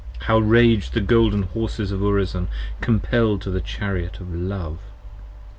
How rag'd the golden horses of Urizen, compell'd to the chariot of love!